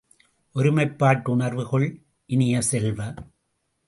ஒருமைப்பாட்டு உணர்வு கொள் இனிய செல்வ!